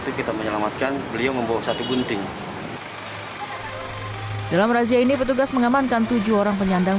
dalam razia ini petugas mengamankan tujuh orang penyandang